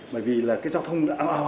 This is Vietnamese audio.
bởi vì là cái giao thông